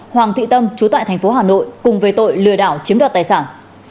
hoàng thị tâm trú tại tp hcm cùng về tội lừa đảo chiếm đợt tài sản